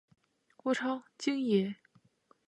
我超，京爷